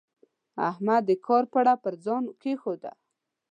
احمد د کار پړه پر ځان کېښوده.